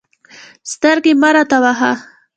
سترګې مه راته وهه.